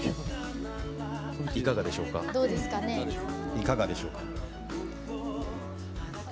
いかがでしょうか？